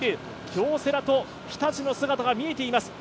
京セラと日立の姿が見えています。